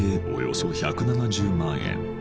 およそ１７０万円